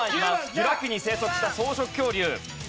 ジュラ紀に生息した草食恐竜。